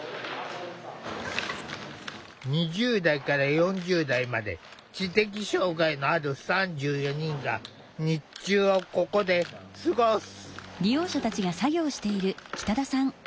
２０代から４０代まで知的障害のある３４人が日中をここで過ごす。